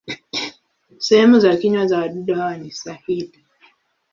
Sehemu za kinywa za wadudu hawa ni sahili.